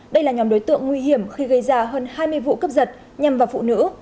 đây là nhóm đối tượng nguy hiểm khi gây ra hơn hai mươi vụ cướp giật nhằm vào phụ nữ